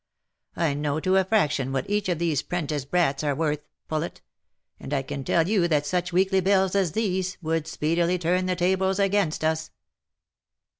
I know to a fraction what each of these 'prentice brats are worth, Poulet, and I can tell you that such weekly bills as these would speedily turn the tables against us."